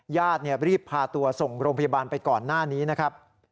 ญาติรีบพาตัวส่งโรงพยาบาลไปก่อนหน้านี้นะครับ